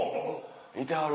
いてはる。